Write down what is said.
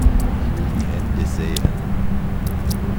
Ich will die Hände sehen!